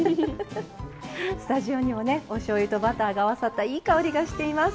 スタジオにもねおしょうゆとバターが合わさったいい香りがしています。